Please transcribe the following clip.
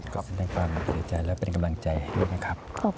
แสดงความเสียใจและเป็นกำลังใจด้วยนะครับ